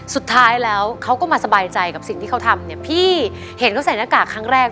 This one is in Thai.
สุดท้ายแล้วเขาก็มาสบายใจกับสิ่งที่เขาทำเนี่ยพี่เห็นเขาใส่หน้ากากครั้งแรก